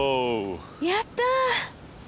やった！